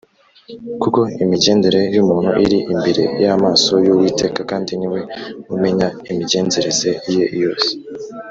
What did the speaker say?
kuko imigendere y’umuntu iri imbere y’amaso y’uwiteka, kandi ni we umenya imigenzereze ye yose